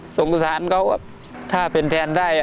สงสารเขาถ้าเป็นแทนได้